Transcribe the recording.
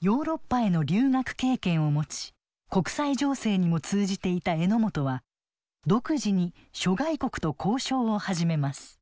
ヨーロッパへの留学経験を持ち国際情勢にも通じていた榎本は独自に諸外国と交渉を始めます。